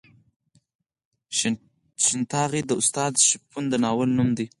شین ټاغی د استاد شپون د ناول نوم دی.